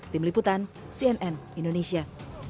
tim liputan cnn indonesia